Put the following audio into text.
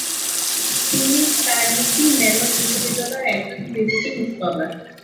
তিনি Carnegie Mellon বিশ্ববিদ্যালয়ের একজন ভিজিটিং স্কলার।